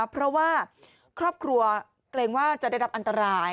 เพราะว่าครอบครัวเกรงว่าจะได้รับอันตราย